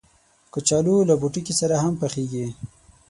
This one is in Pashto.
کچالو له پوټکي سره هم پخېږي